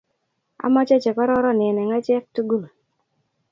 amoche che kororonen eng achek tugul.